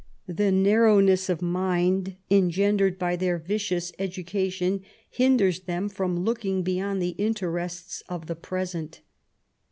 The narrow ness of mind engendered by their vicious education hinders them from looking beyond the interests of the present.